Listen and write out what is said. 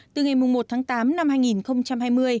từ ngày một tháng tám năm hai nghìn hai mươi